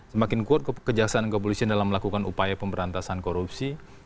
semakin kuat kejaksaan dan kepolisian dalam melakukan upaya pemberantasan korupsi